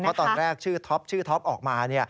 เพราะตอนแรกชื่อท็อปชื่อท็อปออกมา